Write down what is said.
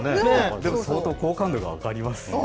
でも相当好感度が上がりますよね。